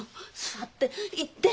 座って。